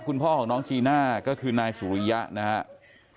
คุณพ่อของน้องจีน่าก็คือนายสุริยะนะครับ